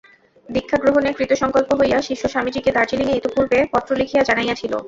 দীক্ষাগ্রহণে কৃতসঙ্কল্প হইয়া শিষ্য স্বামীজীকে দার্জিলিঙে ইতঃপূর্বে পত্র লিখিয়া জানাইয়াছিল।